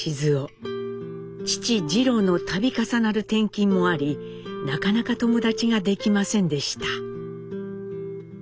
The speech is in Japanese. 父次郎の度重なる転勤もありなかなか友達ができませんでした。